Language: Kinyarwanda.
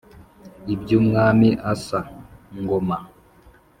Iby’Umwami Asa ( Ngoma --)